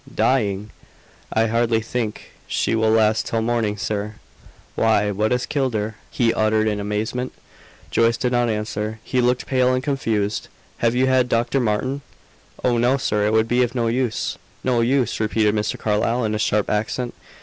"Dying!" "I hardly think she will last till morning, sir!" "Why, what has killed her?" he uttered in amazement. Joyce did not answer. She looked pale and confused. "Have you had Dr. Martin?" "Oh, no, sir. It would be of no use." "No use!" repeated Mr. Carlyle, in a sharp accent.